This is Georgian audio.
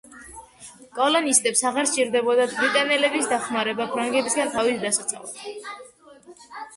კოლონისტებს აღარ სჭირდებოდათ ბრიტანელების დახმარება ფრანგებისაგან თავის დასაცავად.